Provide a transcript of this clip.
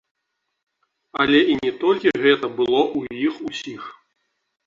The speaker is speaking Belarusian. Але і не толькі гэта было ў іх усіх.